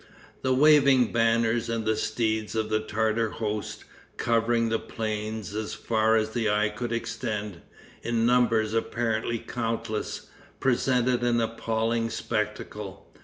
The waving banners and the steeds of the Tartar host, covering the plains as far as the eye could extend, in numbers apparently countless, presented an appalling spectacle.